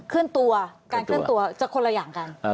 ขึ้นตัวการขึ้นตัวจะคนละอย่างกัน